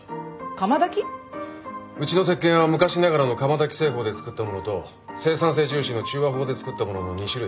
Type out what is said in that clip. うちの石鹸は昔ながらの窯焚き製法で作ったものと生産性重視の中和法で作ったものの２種類。